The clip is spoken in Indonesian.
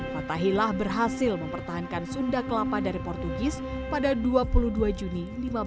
fathahilah berhasil mempertahankan sunda kelapa dari portugis pada dua puluh dua juni seribu lima ratus enam puluh